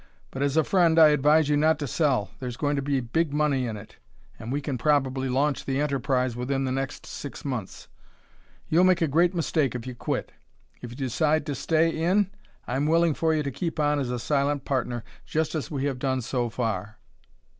But as a friend I advise you not to sell. There's going to be big money in it, and we can probably launch the enterprise within the next six months. You'll make a great mistake if you quit. If you decide to stay in I'm willing for you to keep on as a silent partner, just as we have done so far."